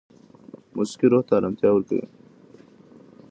موسیقي روح ته ارامتیا ورکوي.